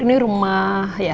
ini rumah ya